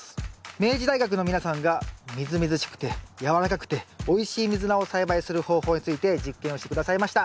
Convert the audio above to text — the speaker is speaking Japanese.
明治大学の皆さんがみずみずしくてやわらかくておいしいミズナを栽培する方法について実験をして下さいました。